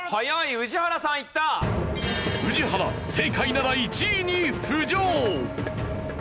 宇治原正解なら１位に浮上！